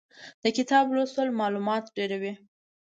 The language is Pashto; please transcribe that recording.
د کتاب لوستل مالومات ډېروي.